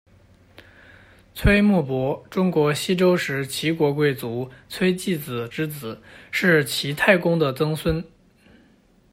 崔穆伯，中国西周时齐国贵族崔季子之子，是齐太公的曾孙。